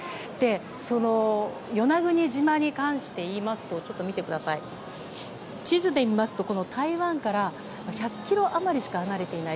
その与那国島に関して言いますと地図で見ますと、台湾から１００ｋｍ余りしか離れていない。